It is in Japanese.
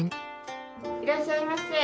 いらっしゃいませ。